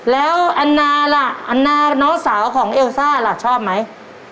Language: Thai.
แล้วอันนาน้องสาวของเอลซ่าละชอบไหม